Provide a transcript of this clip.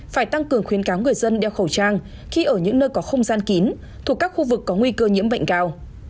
phải tăng cường khuyến cáo người dân đeo khẩu trang khi ở những nơi có không gian kín thuộc các khu vực có nguy cơ nhiễm bệnh cao